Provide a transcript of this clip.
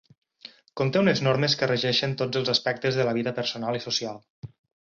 Conté unes normes que regeixen tots els aspectes de la vida personal i social.